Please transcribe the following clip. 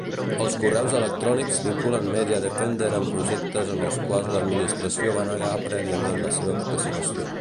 Els correus electrònics vinculen MediaDefender amb projectes en els quals l'administració va negar prèviament la seva participació.